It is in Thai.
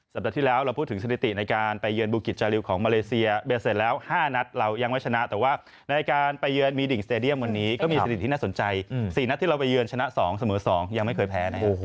ใช่แล้วเวียดนามเขานำเราอยู่ตอนนี้เขา๑๐แบบถูกไหมคะ